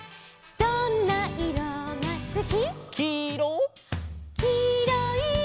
「どんないろがすき」「」